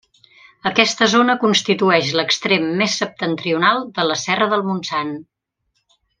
Aquesta zona constitueix l'extrem més septentrional de la serra del Montsant.